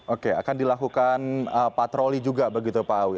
oke akan dilakukan patroli juga begitu pak awi